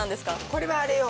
これはあれよ